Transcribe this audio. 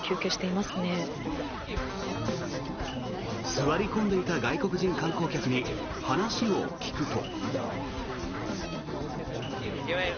座り込んでいた外国人観光客に話を聞くと。